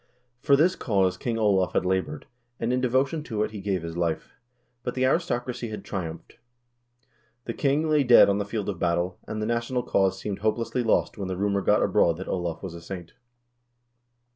For this cause King Olav had labored, and in devotion to it he gave his life. But the aristocracy had triumphed. The king lay dead on the field of battle, and the national cause seemed hope lessly lost when the rumor got abroad that Olav was a saint.